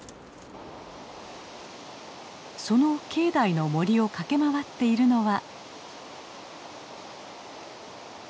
その境内の森を駆け回っているのは。